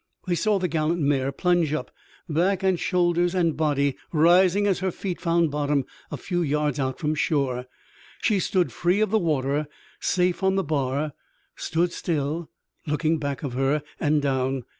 They saw the gallant mare plunge up, back and shoulders and body rising as her feet found bottom a few yards out from shore. She stood free of the water, safe on the bar; stood still, looking back of her and down.